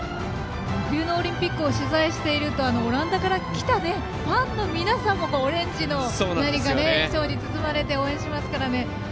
冬のオリンピックを取材しているとオランダからきたファンの皆さんもオレンジの何か衣装に包まれて応援しますからね。